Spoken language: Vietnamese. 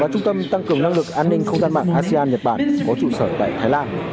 trung tâm tăng cường năng lực an ninh không gian mạng asean nhật bản có trụ sở tại thái lan